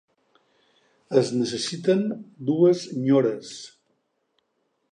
Es necessiten dues nyores.